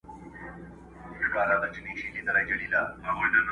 ډېوه پر لګېدو ده څوک به ځی څوک به راځي!